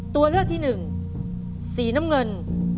ตัวเลือกที่๑สีน้ำเงิน